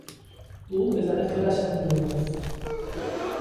او به زن خودش هم دروغ گفت.